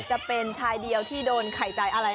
จะเป็นชายเดียวที่โดนไข่ใจอะไร